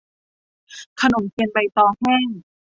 ขนมเทียนใบตองแห้ง